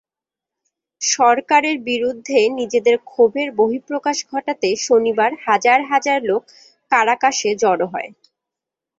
সরকারের বিরুদ্ধে নিজেদের ক্ষোভের বহিঃপ্রকাশ ঘটাতে শনিবার হাজার হাজার লোক কারাকাসে জড়ো হয়।